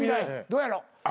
どうやろ？